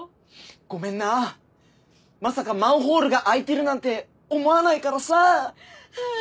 ごめんなまさかマンホールが開いてるなんて思わないからさ。